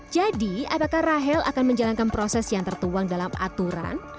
jadi apakah rahel akan menjalankan proses yang tertuang dalam aturan